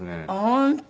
本当。